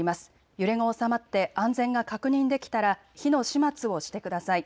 揺れが収まって安全が確認できたら火の始末をしてください。